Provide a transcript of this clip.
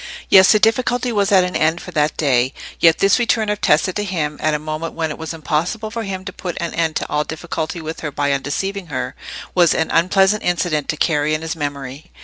Yes, the difficulty was at an end for that day; yet this return of Tessa to him, at a moment when it was impossible for him to put an end to all difficulty with her by undeceiving her, was an unpleasant incident to carry in his memory.